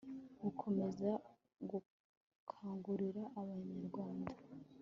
gukomeza gukangurira abanyarwanda